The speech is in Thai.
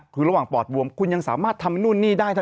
คือระหว่างปอดบวมคุณยังสามารถทำนู่นนี่ได้